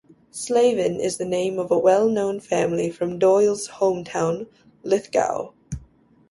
Slaven is the name of a well known family from Doyle's home town, Lithgow.